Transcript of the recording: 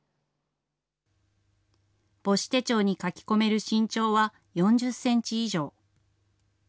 母子手帳に書き込める身長は４０センチ以上。